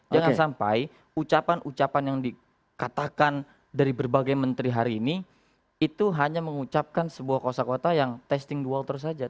jangan sampai ucapan ucapan yang dikatakan dari berbagai menteri hari ini itu hanya mengucapkan sebuah kosa kota yang testing the water saja